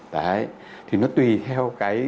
đấy thì nó tùy theo cái